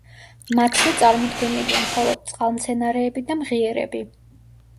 მათზე წარმოდგენილია მხოლოდ წყალმცენარეები და მღიერები.